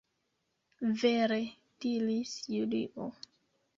Vere! diris Julio.